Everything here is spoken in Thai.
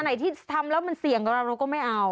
ไหนที่ทำแล้วมันเสี่ยงกับเราเราก็ไม่เอา